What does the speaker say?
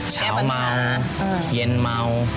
เช้ามาเย็นเมา